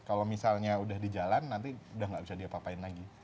kalau misalnya udah di jalan nanti udah nggak bisa diapapain lagi